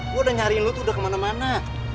gue udah nyariin lo tuh udah kemana mana